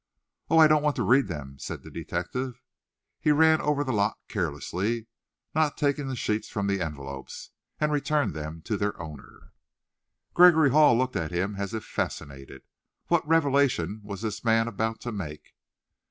"Oh, I don't want to read them," said the detective. He ran over the lot carelessly, not taking the sheets from the envelopes, and returned them to their owner. Gregory Hall looked at him as if fascinated. What revelation was this man about to make?